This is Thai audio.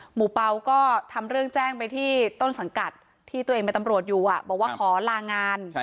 เปล่าก็ทำเรื่องแจ้งไปที่ต้นสังกัดที่ตัวเองเป็นตำรวจอยู่บอกว่าขอลางาน